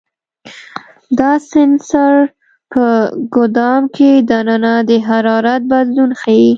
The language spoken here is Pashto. دا سنسر په ګدام کې دننه د حرارت بدلون ښيي.